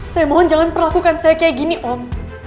saya mohon jangan perlakukan saya kayak gini om